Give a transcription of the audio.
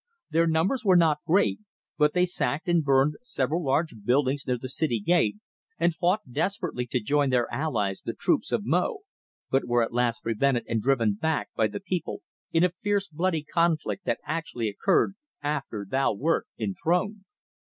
Their numbers were not great, but they sacked and burned several large buildings near the city gate and fought desperately to join their allies the troops of Mo, but were at last prevented and driven back by the people in a fierce bloody conflict that actually occurred after thou wert enthroned."